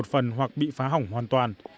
phần hoặc bị phá hỏng hoàn toàn